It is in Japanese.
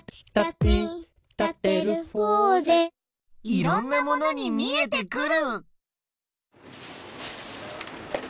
いろんなものにみえてくる！